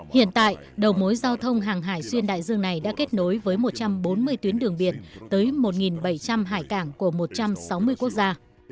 hiện tại đầu mối giao thông hàng hải xuyên đại dương này đã kết nối với một trăm bốn mươi tuyến đường biển tới một bảy trăm linh hải cảng của một trăm sáu mươi quốc gia